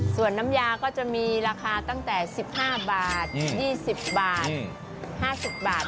ส่วนน้ำยาก็จะมีราคาตั้งแต่๑๕บาท๒๐บาท๕๐บาท